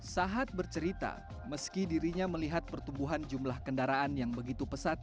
sahat bercerita meski dirinya melihat pertumbuhan jumlah kendaraan yang begitu pesat